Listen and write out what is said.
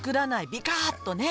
ビカッとね。